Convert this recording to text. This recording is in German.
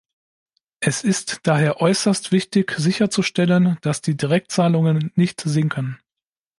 Es ist daher äußerst wichtig, sicherzustellen, dass die Direktzahlungen nicht sinken.